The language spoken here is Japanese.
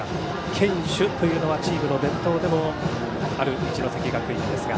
堅守というのはチームの伝統でもある一関学院ですが。